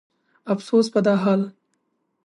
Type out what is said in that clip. افسوس په دا حال